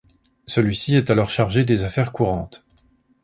Celui-ci est alors chargé des affaires courantes.